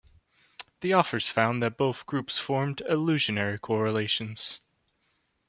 The authors found that both groups formed illusory correlations.